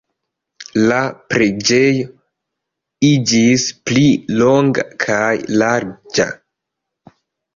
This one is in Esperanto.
La preĝejo iĝis pli longa kaj larĝa.